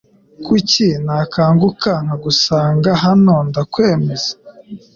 Kuki nakanguka nkagusanga hano nda kwemeza